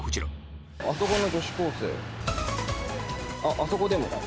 あそこでも。